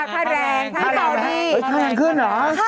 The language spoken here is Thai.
ข่าวแรงขึ้นเหรอ